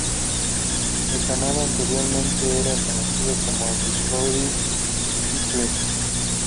El canal anteriormente era conocido como Discovery Sci-Trek.